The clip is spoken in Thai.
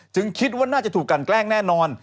คิดว่าน่าจะถูกกันแกล้งแน่นอน